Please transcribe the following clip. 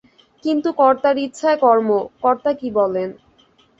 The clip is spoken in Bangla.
কিন্তু কর্তার ইচ্ছায় কর্ম, কর্তা কী বলেন।